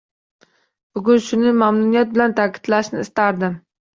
Bugun shuni mamnuniyat bilan taʼkidlashni istardim.